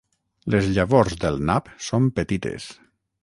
Les llavors del nap són petites.